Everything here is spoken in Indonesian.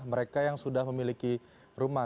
mereka yang sudah memiliki rumah